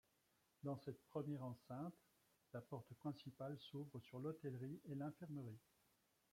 Dans cette première enceinte, la porte principale s'ouvre sur l'hôtellerie et l'infirmerie.